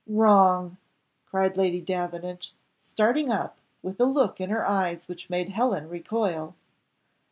wrong!" cried Lady Davenant, starting up, with a look in her eyes which made Helen recoil.